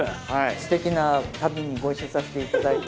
すてきな旅にご一緒させていただいて。